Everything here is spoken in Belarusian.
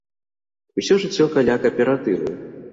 Усё жыццё каля кааператываў.